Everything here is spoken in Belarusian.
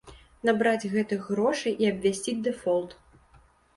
Набраць гэтых грошай і абвясціць дэфолт.